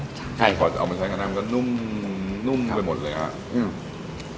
ใช่ขอเอามาใช้กระทั่งก็นุ่มนุ่มไปหมดเลยอ่ะอืม